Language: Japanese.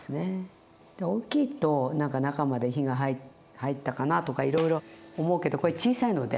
大きいと何か中まで火が入ったかなとかいろいろ思うけどこれ小さいので。